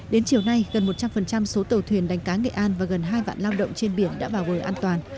đến chiều nay gần một trăm linh số tàu thuyền đánh cá nghệ an và gần hai vạn lao động trên biển đã vào bờ an toàn